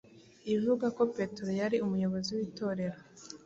ivuga ko Petero yari umuyobozi w’Itorero.